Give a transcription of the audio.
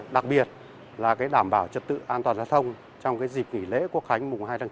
đặc biệt là đảm bảo trật tự an toàn giao thông trong dịp nghỉ lễ quốc khánh mùng hai tháng chín